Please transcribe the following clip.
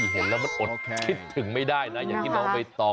เห็นแล้วมันอดคิดถึงไม่ได้นะอยากกินออกไปต้อง